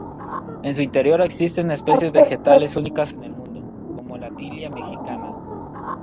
En su interior existen especies vegetales únicas en el mundo, como la Tilia Mexicana.